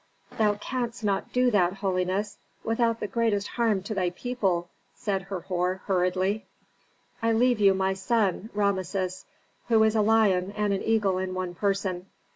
"Thou canst not do that, holiness, without the greatest harm to thy people," said Herhor, hurriedly. "I leave you my son, Rameses, who is a lion and an eagle in one person.